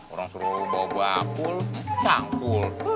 orang suruh bawa bawa kakek cangkul